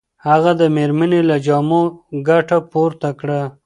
هغه د مېرمنې له جامو ګټه پورته کړه.